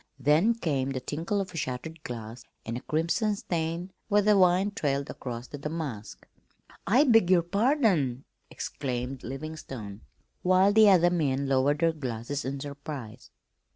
Then came the tinkle of shattered glass and a crimson stain where the wine trailed across the damask. "I beg your pardon!" exclaimed Livingstone, while the other men lowered their glasses in surprise.